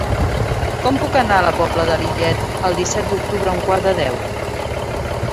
Com puc anar a la Pobla de Lillet el disset d'octubre a un quart de deu?